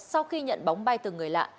sau khi nhận bóng bay từ người lạ